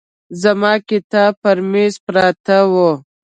زما کتاب په مېز پراته وو.